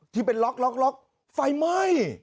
ที่เป็นล็อกไฟไหม้